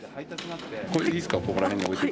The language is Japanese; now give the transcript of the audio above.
これ、いいですか？